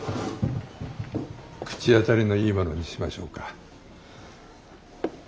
口当たりのいいものにしましょうか。